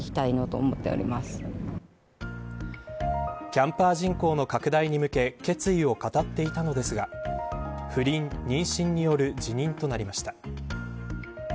キャンパー人口の拡大に向け決意を語っていたのですが不倫、妊娠による辞任となりました。